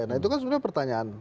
nah itu kan sebenarnya pertanyaan